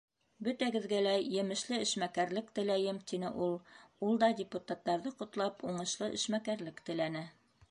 Бөтәгеҙгә лә емешле эшмәкәрлек теләйем, — тине ул. Ул да, депутаттарҙы ҡотлап, уңышлы эшмәкәрлек теләне.